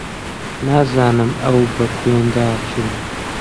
نازانم ئەو بە کوێندا چوو.